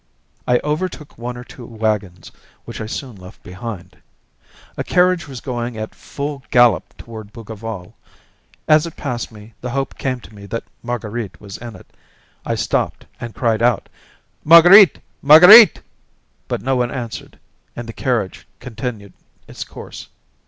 I overtook one or two wagons, which I soon left behind. A carriage was going at full gallop toward Bougival. As it passed me the hope came to me that Marguerite was in it. I stopped and cried out, "Marguerite! Marguerite!" But no one answered and the carriage continued its course.